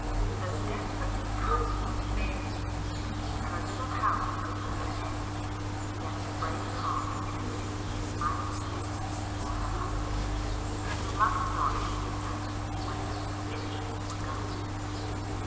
So desperately cumbered was Mary to keep her little house over her head, and yet the brave heart was retaining a smiling face for her husband, who must not even know where her little treasures were going.